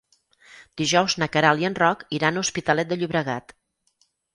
Dijous na Queralt i en Roc iran a l'Hospitalet de Llobregat.